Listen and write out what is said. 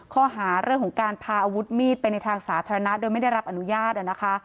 ข้อหาเรื่องของการพาอาวุธมีดไปในทางสาธารณะโดยไม่ได้รับอนุญาตนะคะ